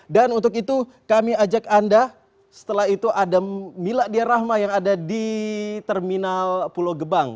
dan untuk itu kami ajak anda setelah itu ada miladiyarrahma yang ada di terminal pulau gebang